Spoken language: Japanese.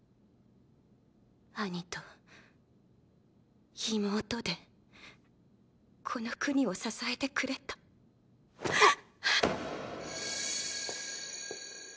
兄と妹でこの国を支えてくれとッ！！っ！